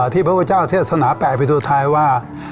ที่พระพุทธเจ้าเทศนาแปลไปสุดท้ายว่า